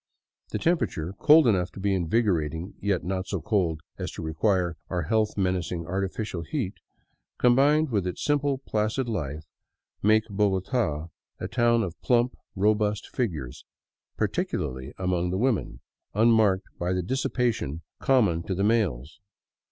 The temperature, cold enough to be invigorating yet not so cold as to require our health menacing artificial heat, combined with its simple, placid life, makes Bogota a town of plump, robust figures, particularly among the women, unmarked by the dissipation common to the males.